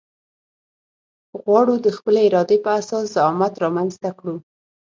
غواړو د خپلې ارادې په اساس زعامت رامنځته کړو.